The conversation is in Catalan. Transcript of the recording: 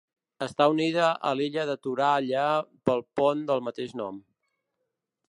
Està unida a l'illa de Toralla pel pont del mateix nom.